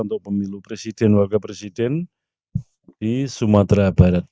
untuk pemilu presiden wakil presiden di sumatera barat